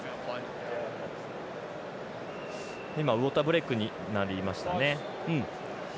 今、ウォーターブレイクになりましたね。